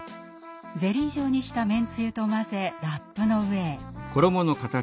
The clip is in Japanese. ゼリー状にしためんつゆと混ぜラップの上へ。